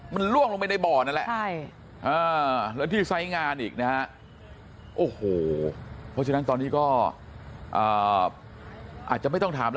มันล่วงลงไปในบ่อนั้นแหละแล้วที่สายงานอีกนะอะโหตอนนี้ก็อาจไม่ต้องถามแล้ว